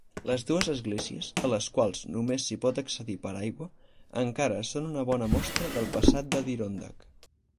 Les dues esglésies, a les quals només s'hi pot accedir per aigua, encara són una bona mostra del passat d'Adirondack.